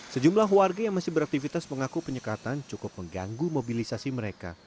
sejumlah warga yang masih beraktivitas mengaku penyekatan cukup mengganggu mobilisasi mereka